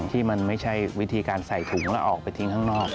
ที่มันไม่ใช่วิธีการใส่ถุงแล้วออกไปทิ้งข้างนอก